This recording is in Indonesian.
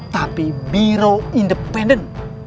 tapi biro independen